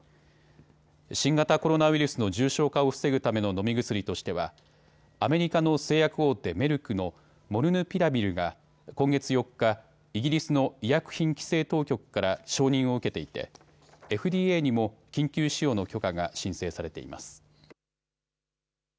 新型コロナウイルスの重症化を防ぐための飲み薬としてはアメリカの製薬大手メルクのモルヌピラビルが今月４日、イギリスの医薬品規制当局から承認を受けていてＦＤＡにも緊急使用の許可が申請されています。